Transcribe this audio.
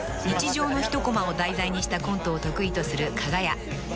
［日常の一コマを題材にしたコントを得意とするかが屋］